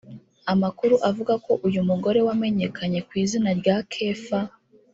Amakuru avuga ko uyu mugore wamenyekanye ku izina rya Kefa